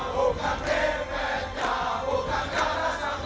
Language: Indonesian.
bukan ribetnya bukan garasannya